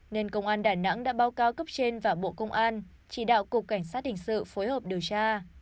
nên công an đà nẵng đã báo cáo cấp trên và bộ công an chỉ đạo cục cảnh sát hình sự phối hợp điều tra